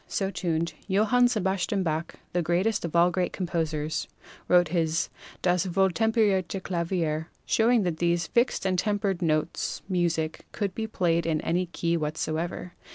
80 b 45 45 33 c w 48 48 so tuned Johann Sebastian Bach, the greatest of all great composers, wrote his Das Wohltempenrte Klavier, show ing that with these fixed and tempered notes music could be played in any key whatsoever.